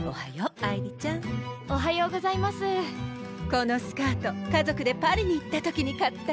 このスカート家族でパリに行った時に買ったの。